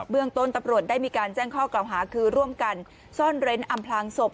เรื่องต้นตำรวจได้มีการแจ้งข้อกล่าวหาคือร่วมกันซ่อนเร้นอำพลางศพ